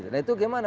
nah itu gimana